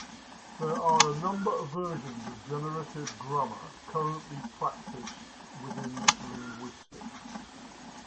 There are a number of versions of generative grammar currently practiced within linguistics.